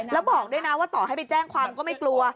แล้วบอกด้วยนะว่าต่อให้ไปแจ้งความก็ไม่กลัว